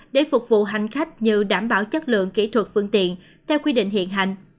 để phục vụ hành khách như đảm bảo chất lượng kỹ thuật phương tiện theo quy định hiện hành